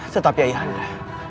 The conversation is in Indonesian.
tetapi ayah anda